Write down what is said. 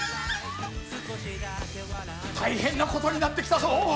大変なことになってきたぞ。